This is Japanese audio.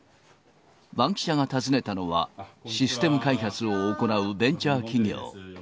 バンキシャが訪ねたのは、システム開発を行うベンチャー企業。